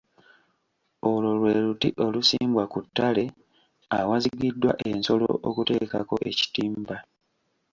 Olwo lwe luti olusimbwa ku ttale awazigiddwa ensolo okuteekako ekitimba